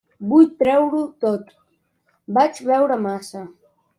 Vull treure-ho tot: vaig beure massa.